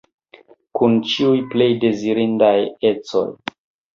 Kun ĉiuj plej dezirindaj ecoj.